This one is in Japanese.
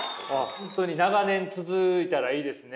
本当に長年続いたらいいですね。